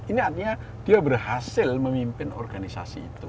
ini artinya dia berhasil memimpin organisasi itu